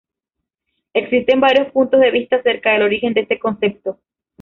Existen varios puntos de vista acerca del origen de este concepto.